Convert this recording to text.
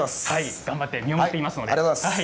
頑張って、見守っていますので。